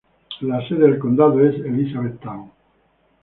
La sede del condado es Elizabethtown.